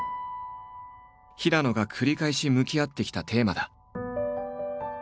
平野が繰り返し向き合ってきたテーマだ。